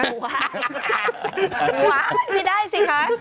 ว้าวมันไม่ได้สิคะ